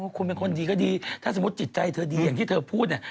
คุณเป็นคนดีก็ดีถ้าสมมุติจิตใจเธอดีอย่างที่เธอพูดเนี่ย